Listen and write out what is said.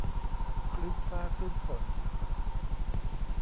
ครึ้มฟ้าครึ้มฝน